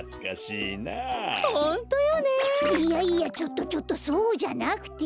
いやいやちょっとちょっとそうじゃなくて！